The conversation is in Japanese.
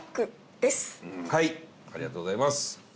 伊達：はいありがとうございます。